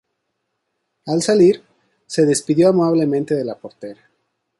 Al salir, se despidió amablemente de la portera.